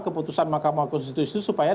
keputusan mahkamah konstitusi supaya